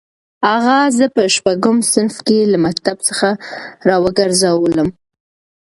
اغا زه په شپږم صنف کې له مکتب څخه راوګرځولم.